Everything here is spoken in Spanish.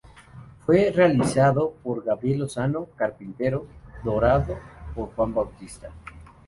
Fue realizado por Gabriel Lozano, carpintero, dorado por Juan Bautista.